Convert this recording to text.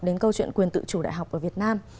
đến câu chuyện quyền tự chủ đại học ở việt nam